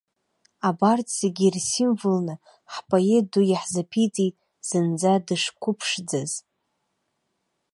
Абарҭ зегьы ирсимволны ҳпоет ду иаҳзаԥиҵеит зынӡа дышқәыԥшӡаз!